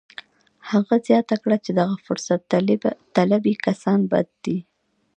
هغه زیاته کړه چې دغه فرصت طلبي کسان بد دي